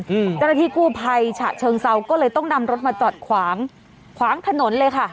เจ้าหน้าที่กู้ภัยฉะเชิงเซาก็เลยต้องนำรถมาจอดขวางขวางถนนเลยค่ะ